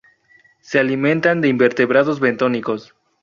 Se alimentan de invertebrados bentónicos.